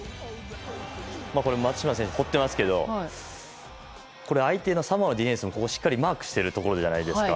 これ、松島選手がとってますが相手、サモアディフェンスもここ、しっかりマークしてるところじゃないですか。